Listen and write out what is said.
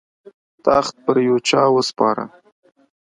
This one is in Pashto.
تخت پر یوه چا وسپاره.